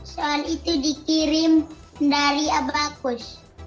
soal itu dikirim dari abakus